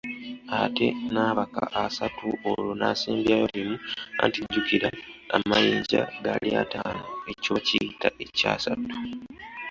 Ate n’abaka asatu olwo n’asembyayo limu anti jjukira amanyinja gali ataanu. ekyo bakiyita ekyasatu.